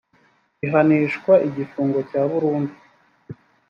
gihanishwa igifungo cya burundu